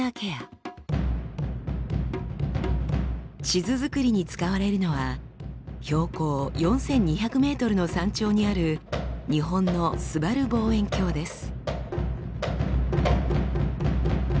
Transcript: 地図作りに使われるのは標高４，２００ｍの山頂にある日本のすばる望遠鏡です。